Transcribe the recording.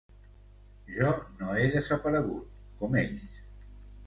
Jo no he desaparegut, com ells.